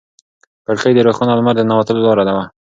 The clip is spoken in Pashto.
کړکۍ د روښانه لمر د ننوتلو لاره وه.